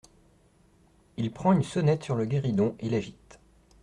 Il prend une sonnette sur le guéridon et l’agite.